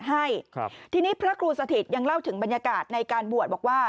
ให้ครับทีนี้พระครูสถิตยังเล่าถึงบรรยากาศในการบวชบอกว่า